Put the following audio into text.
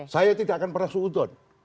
saya tidak akan pernah suudon